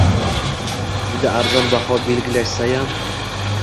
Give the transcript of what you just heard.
Juda arzon baho belgilashsayam